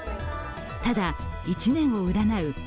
ただ一年を占う